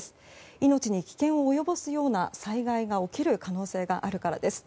命に危険を及ぼすような災害が起きる可能性があるからです。